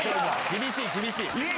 厳しい厳しい！